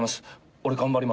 俺頑張ります！